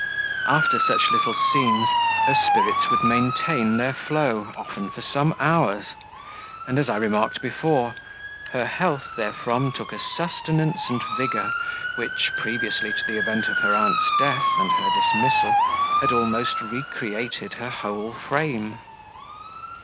After such little scenes her spirits would maintain their flow, often for some hours, and, as I remarked before, her health therefrom took a sustenance and vigour which, previously to the event of her aunt's death and her dismissal, had almost recreated her whole frame.